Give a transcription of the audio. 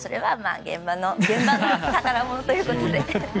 現場の宝物ということで。